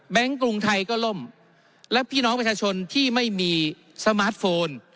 กรุงไทยก็ล่มและพี่น้องประชาชนที่ไม่มีสมาร์ทโฟน